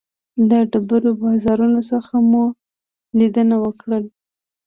له ډېرو بازارونو څخه مو لیدنه وکړله.